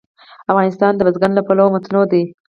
افغانستان د بزګان له پلوه متنوع دی.